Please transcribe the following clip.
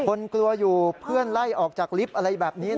กลัวอยู่เพื่อนไล่ออกจากลิฟต์อะไรแบบนี้